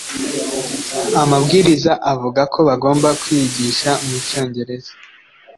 amabwiriza avuga ko bagomba kwigisha mu Cyongereza.